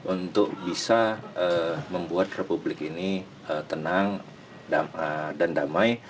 untuk bisa membuat republik ini tenang dan damai